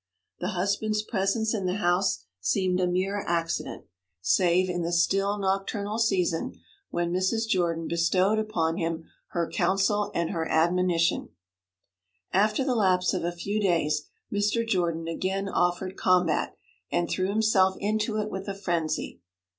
The husband's presence in the house seemed a mere accident save in the still nocturnal season, when Mrs. Jordan bestowed upon him her counsel and her admonitions. After the lapse of a few days Mr. Jordan again offered combat, and threw himself into it with a frenzy.